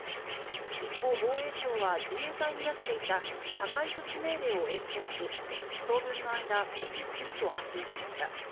一方、防衛省は自衛隊に出していた破壊措置命令を延長し、当分の間、維持すると発表しました。